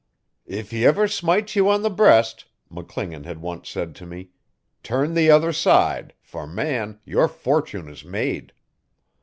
'If he ever smites you on the breast,' McClingan had once said to me, 'turn the other side, for, man, your fortune is made.'